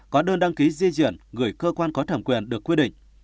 có đơn đăng ký di chuyển gửi cơ quan có thẩm quyền được quy định